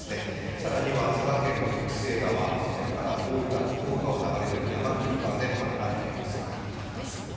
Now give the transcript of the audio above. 更には佐賀県徳須恵川、大分、福岡を流れる山国川で氾濫というニュースが入ってきています。